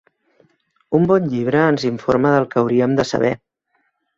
Un bon llibre ens informa del que hauríem de saber.